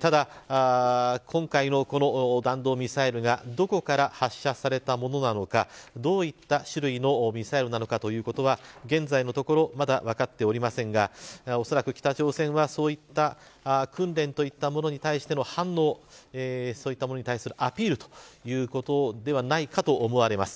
ただ、今回の弾道ミサイルがどこから発射されたものなのかどういった種類のミサイルなのかということは現在のところまだ分かっておりませんがおそらく北朝鮮は、そういった訓練といったものに対しての反応そういったものに対するアピールということではないかと思われます。